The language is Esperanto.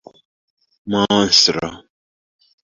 monstro